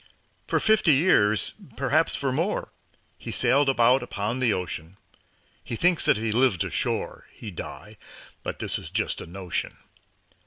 For fifty years perhaps for more He's sailed about upon the ocean. He thinks that if he lived ashore He'd die. But this is just a notion.